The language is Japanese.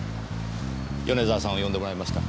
米沢さんを呼んでもらえますか？